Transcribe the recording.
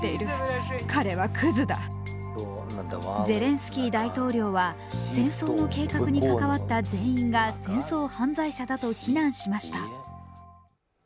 ゼレンスキー大統領は、戦争の計画に関わった全員が戦争犯罪者だと非難しました。